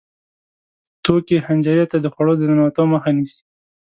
توکې حنجرې ته د خوړو د ننوتو مخه نیسي.